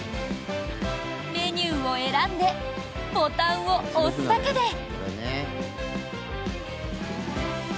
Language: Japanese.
メニューを選んでボタンを押すだけで。